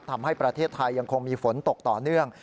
ทำให้ประเทศไทยยังคงมีฝนตกต่อเนื่อง